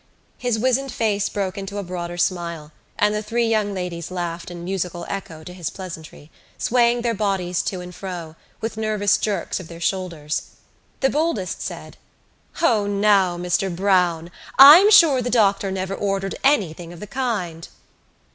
His wizened face broke into a broader smile, and the three young ladies laughed in musical echo to his pleasantry, swaying their bodies to and fro, with nervous jerks of their shoulders. The boldest said: "O, now, Mr Browne, I'm sure the doctor never ordered anything of the kind."